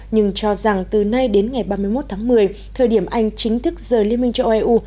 nhưng cho rằng từ nay đến ngày ba mươi một tháng một mươi thời điểm anh chính thức rời liên minh châu âu